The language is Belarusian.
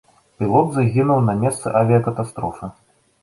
Пілот загінуў на месцы авіякатастрофы.